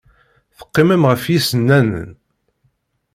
Teqqimem ɣef yisennanen.